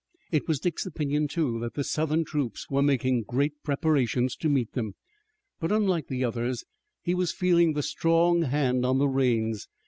It was Dick's opinion, too, that the Southern troops were making great preparations to meet them, but, like the others, he was feeling the strong hand on the reins.